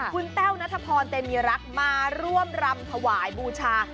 คุณแต้วนัทพรเตมีรักมาร่วมรำถวายบูชา